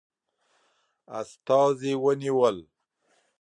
استازي ونیول.